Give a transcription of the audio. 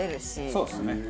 そうですよね。